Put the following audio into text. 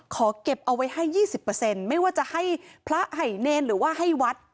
ขอเก็บเอาไว้ให้ยี่สิบเปอร์เซ็นต์ไม่ว่าจะให้พระไห่เนรหรือว่าให้วัด